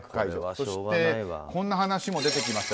そして、こんな話も出てきました。